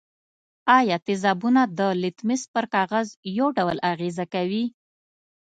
آیا تیزابونه د لتمس پر کاغذ یو ډول اغیزه کوي؟